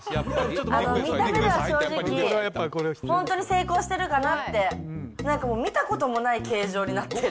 見た目では正直、本当に成功してるかなって、なんかもう見たこともない形状になってる。